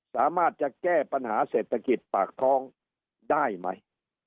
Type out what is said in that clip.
สามารถจะแก้ปัญหาเศรษฐกิจปากท้องได้ไหม